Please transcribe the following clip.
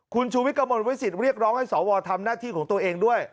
คุณชูวิทย์กระมวลวิสิตเรียกร้องให้สวทำหน้าที่ของตัวเองด้วย